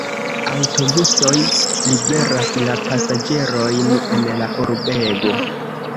Aŭtobusoj liveras la pasaĝerojn en la urbego.